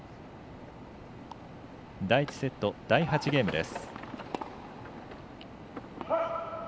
第１セット第８ゲームです。